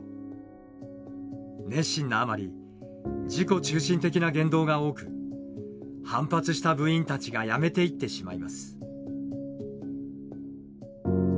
熱心なあまり自己中心的な言動が多く反発した部員たちがやめていってしまいます。